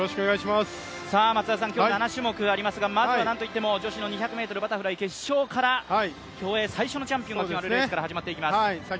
今日、７種目ありますが、まずは何といっても女子の２００ｍバタフライ決勝から、競泳最初のチャンピオンが決まるレースが始まります。